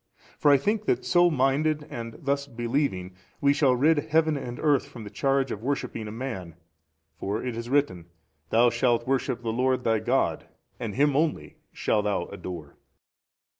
For I think that so minded and thus believing, we shall rid heaven and earth from the charge of worshipping a man. For it is written, Thou shalt worship the Lord thy God and Him only shall thou adore.